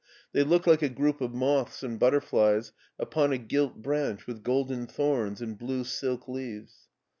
They looked like a group of moths and butterflies upon a gilt branch with golden thorns and blue silk leaves.